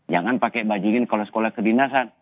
jangan pakai baju ini kalau sekolah ke dinasan